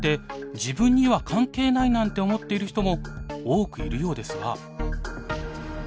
自分には関係ないなんて思っている人も多くいるようですが。